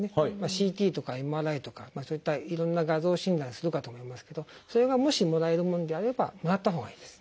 ＣＴとかＭＲＩとかそういったいろんな画像診断するかと思いますけどそれがもしもらえるものであればもらったほうがいいです。